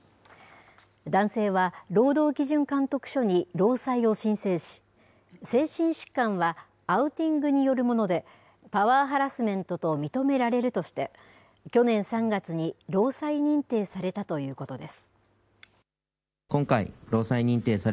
男性は労働基準監督署に労災を申請し、精神疾患はアウティングによるもので、パワーハラスメントと認められるとして、去年３月に労災認定されたということです。